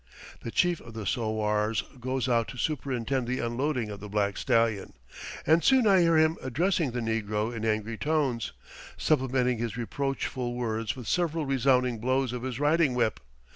The chief of the sowars goes out to superintend the unloading of the black stallion; and soon I hear him addressing the negro in angry tones, supplementing his reproachful words with several resounding blows of his riding whip.